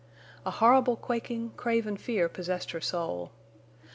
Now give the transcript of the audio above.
A horrible quaking, craven fear possessed her soul.